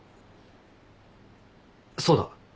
そうだ。